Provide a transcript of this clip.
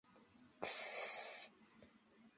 — Тс!